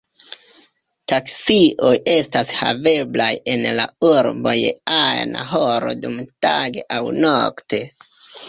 Taksioj estas haveblaj en la urbo je ajna horo dumtage aŭ nokte.